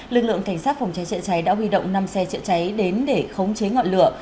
lực lượng cảnh sát phòng cháy chữa cháy đã huy động năm xe chữa cháy đến để khống chế ngọn lửa